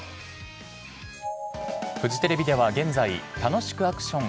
フジテレビでは、現在、楽しくアクション！